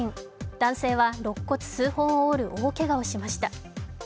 男性はろっ骨数本を折る大けがをしました。